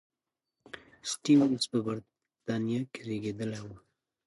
سټيونز په بریتانیا کې زېږېدلی و.